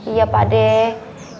iya pak dea